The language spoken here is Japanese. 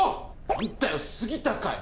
なんだよ杉田かよ！